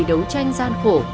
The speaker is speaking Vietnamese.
đống tranh gian khổ